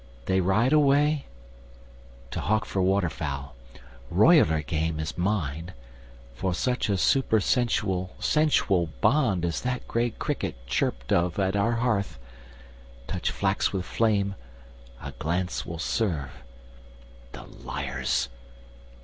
—they ride away—to hawk For waterfowl. Royaller game is mine. For such a supersensual sensual bond As that gray cricket chirpt of at our hearth— Touch flax with flame—a glance will serve—the liars!